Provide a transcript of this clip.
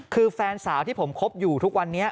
คือแฟนสาวที่ผมคบอยู่ทุกวันนี้